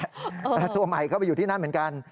ตัวใหม่ก็ไปอยู่ที่นั่นเหมือนกัน